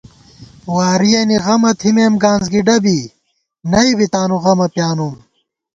وارِیَنی غَمہ تِھمېم گانسگِڈہ بی، نئ بی تانُو غمہ پیانُم